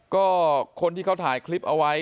ก็คนที่เขาถ่ายคลิปเอาไว้